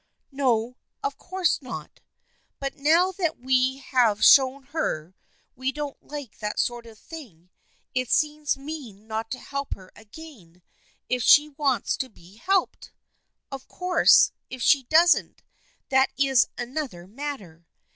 "" No, of course not. But now that we have shown her we don't like that sort of thing it seems mean not to help her again if she wants to be helped. Of course if she doesn't, that is another matter.